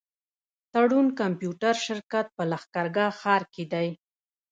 تړون کمپيوټر شرکت په لښکرګاه ښار کي دی.